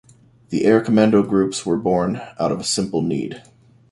The Air Commando Groups were born out of a simple need.